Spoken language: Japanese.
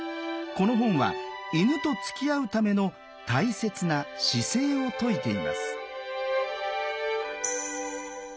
この本は犬とつきあうための大切な姿勢を説いています。